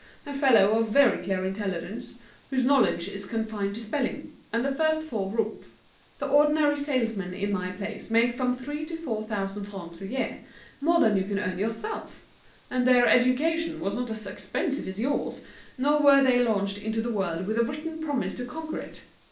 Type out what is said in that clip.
a fellow of very clear intelligence, whose knowledge is confined to spelling, and the first four rules. The ordinary salesmen in my place make from three to four thousand francs a year, more than you can earn yourself; and their education was not so expensive as yours, nor were they launched into the world with a written promise to conquer it.